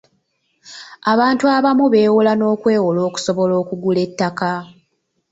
Abantu abamu beewola n'okwewola okusobola okugula ettaka.